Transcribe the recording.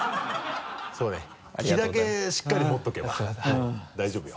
そうね気だけしっかり持っておけば大丈夫よ。